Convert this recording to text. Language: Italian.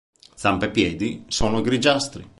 Zampe e piedi sono grigiastri.